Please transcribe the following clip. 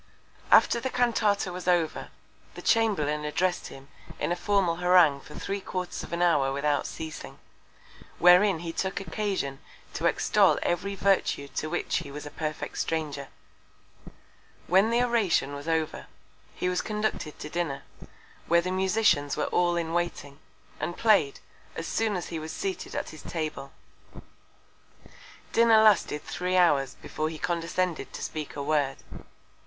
_ After the Cantata was over, the Chamberlain address'd him in a formal Harangue for three Quarters of an Hour without ceasing; wherein he took Occasion to extol every Virtue to which he was a perfect Stranger; when the Oration was over, he was conducted to Dinner, where the Musicians were all in waiting, and play'd, as soon as he was seated at his Table. Dinner lasted three Hours before he condescended to speak a Word.